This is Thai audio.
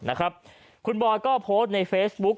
นะครับคุณบอยก็โพสต์ในเฟซบุ๊ก